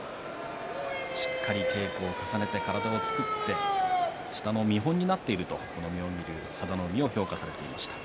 しっかり稽古、稽古を重ねて体を作って下の見本になっているとこの妙義龍と佐田の海を評価されていました。